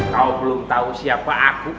kau belum tahu siapa aku